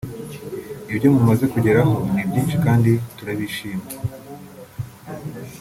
” Ibyo mumaze kugeraho ni byinshi kandi turabishima